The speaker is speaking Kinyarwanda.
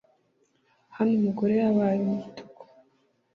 Hano Umugore yabaye umutuku